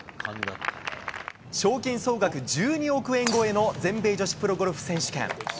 賞金総額１２億円超えの全米女子プロゴルフ選手権。